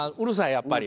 やっぱり。